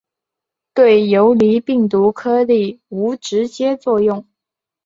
对游离病毒颗粒无直接作用。